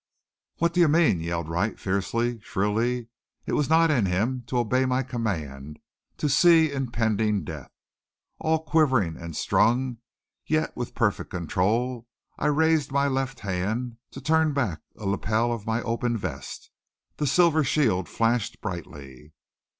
"What d'ye mean?" yelled Wright fiercely, shrilly. It was not in him to obey my command, to see impending death. All quivering and strung, yet with perfect control, I raised my left hand to turn back a lapel of my open vest. The silver shield flashed brightly.